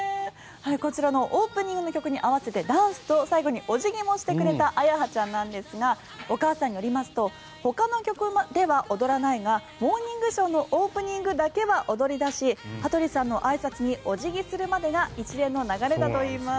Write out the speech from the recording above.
こちらのオープニングの曲に合わせてダンスと最後にお辞儀もしてくれた彩葉ちゃんなんですがお母さんによりますとほかの曲では踊らないが「モーニングショー」のオープニングだけは踊り出し羽鳥さんのあいさつにお辞儀するまでが一連の流れだといいます。